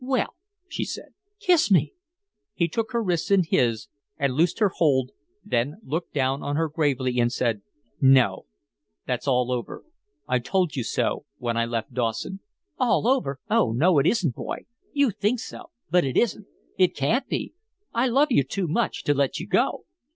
"Well," she said, "kiss me!" He took her wrists in his and loosed her hold, then looked down on her gravely and said: "No that's all over. I told you so when I left Dawson." "All over! Oh no, it isn't, boy. You think so, but it isn't it can't be. I love you too much to let you go."